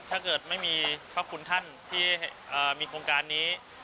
ถ้าเกิดไม่มีพระคุณท่านที่มีโครงการนี้